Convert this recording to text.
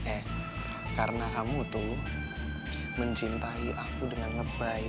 eh karena kamu tuh mencintai aku dengan lebay